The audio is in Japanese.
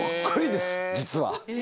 実は。